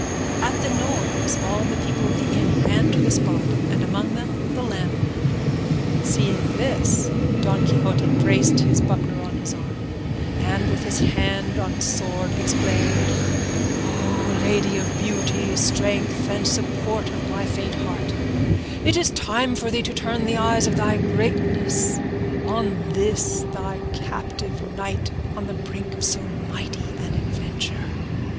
At the noise all the people of the inn ran to the spot, and among them the landlord. Seeing this, Don Quixote braced his buckler on his arm, and with his hand on his sword exclaimed, "O Lady of Beauty, strength and support of my faint heart, it is time for thee to turn the eyes of thy greatness on this thy captive knight on the brink of so mighty an adventure."